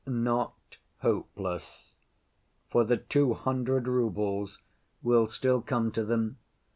"Not hopeless, for the two hundred roubles will still come to them.